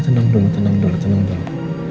tenang dulu tenang dulu tenang dulu